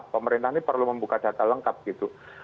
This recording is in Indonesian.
pemerintah ini perlu membuka data lengkap gitu